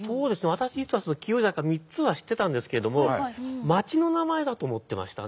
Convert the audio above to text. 私実は紀尾井坂３つは知ってたんですけども町の名前だと思ってましたね。